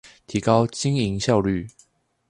提高經營效率